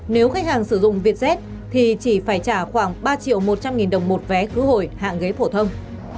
nếu khách hàng sử dụng vietjet thì chỉ phải trả khoảng ba triệu một trăm linh nghìn đồng một vé khứ hồi hạng ghế phổ thông